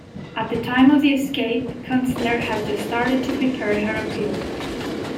At the time of the escape, Kunstler had just started to prepare her appeal.